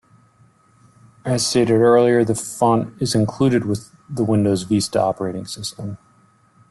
As stated earlier, the font is included with the Windows Vista operating system.